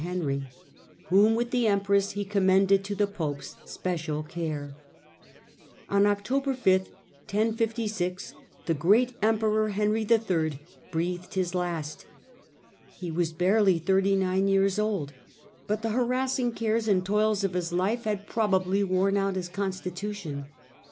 41 Henry, whom, with the empress, he commended to the pope's special care. On October 5, 1056, the great emperor breathed his last. He was barely thirty nine years old, but the Death oi harassing cares and toils of his life had pro Henry m. bably worn out his constitution.